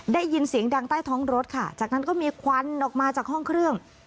ได้ยินเสียงดังใต้ท้องรถค่ะจากนั้นก็มีควันออกมาจากห้องเครื่อง